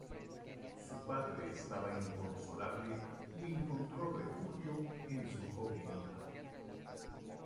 Su padre estaba inconsolable y encontró refugio en su joven hija.